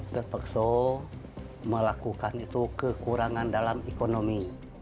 terpaksa melakukan itu kekurangan dalam ekonomi